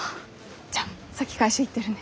じゃあ先会社行ってるね。